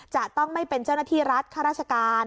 จะต้องไม่เป็นเจ้าหน้าที่รัฐข้าราชการ